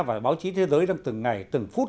và báo chí thế giới đang từng ngày từng phút